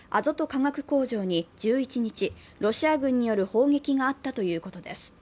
化学工場に１１日、ロシア軍による砲撃があったということです。